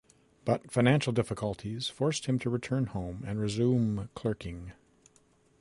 But financial difficulties forced him to return home and resume clerking.